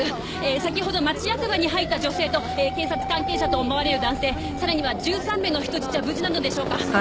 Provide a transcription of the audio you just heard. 先ほど町役場に入った女性と警察関係者と思われる男性さらには１３名の人質は無事なのでしょうか？